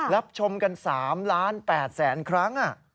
รับชมกัน๓ล้าน๘แสนครั้ง